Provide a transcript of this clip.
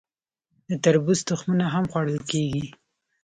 د تربوز تخمونه هم خوړل کیږي.